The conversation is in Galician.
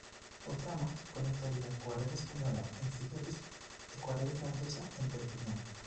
O tramo conectaría coa rede española en Figueres e coa rede francesa en Perpiñán.